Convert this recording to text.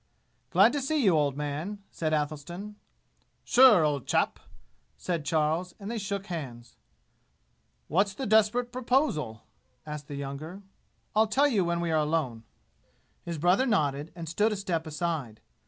"Glad to see you, old man," said Athelstan. "Sure, old chap!" said Charles; and they shook hands. "What's the desperate proposal?" asked the younger. "I'll tell you when we are alone." His brother nodded and stood a step aside.